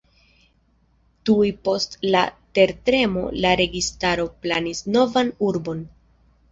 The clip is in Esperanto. Tuj post la tertremo la registaro planis novan urbon.